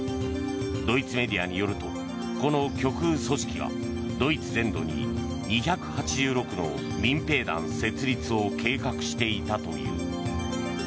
ドイツメディアによるとこの極右組織がドイツ全土に２８６の民兵団設立を計画していたという。